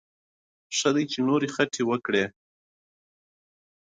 ښه ده چې نورې خټې وکړي.